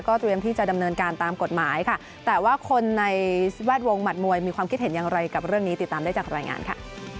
เตรียมที่จะดำเนินการตามกฎหมายค่ะแต่ว่าคนในแวดวงหมัดมวยมีความคิดเห็นอย่างไรกับเรื่องนี้ติดตามได้จากรายงานค่ะ